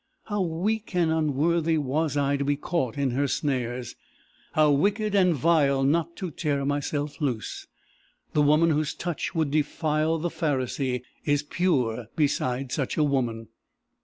How weak and unworthy was I to be caught in her snares! how wicked and vile not to tear myself loose! The woman whose touch would defile the Pharisee, is pure beside such a woman!"